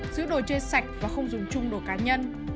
giữ đồ chơi sạch và không dùng chung đồ cá nhân